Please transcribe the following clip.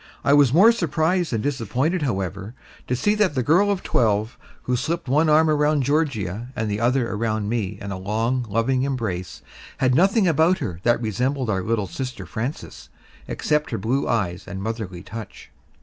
I was more surprised than disappointed, however, to see that the girl of twelve, who slipped one arm around Georgia and the other around me in a long, loving embrace, had nothing about her that resembled our little sister Frances, except her blue eyes and motherly touch.